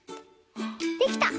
できた！